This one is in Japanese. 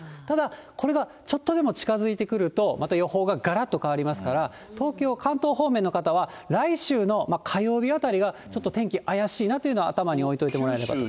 ただ、これがちょっとでも近づいてくると、また予報ががらっと変わりますから、東京、関東方面の方は、来週の火曜日あたりがちょっと天気、怪しいなと頭に置いておいてもらえれば。